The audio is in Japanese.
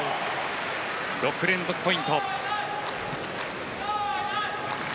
６連続ポイント。